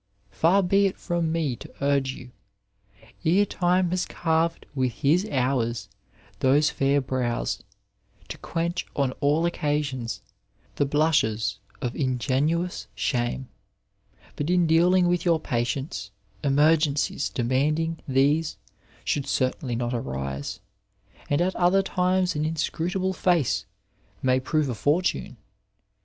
Far be it from me to urge you, ere Time has carved with his hours those &ur brows, to quench on all occasions the blushes of ingenuous shame, but in dealing with your patients emergencies demanding these should certainly not arise, and at other times an inscrutable face may prove a fortune.